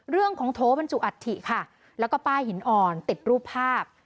เรื่องของโทษบรรจุอัตถีค่ะแล้วก็ป้ายหินอ่อนติดรูปภาพ